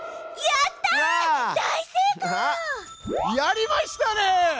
やりましたね！